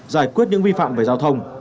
giải quyết những vi phạm về giao thông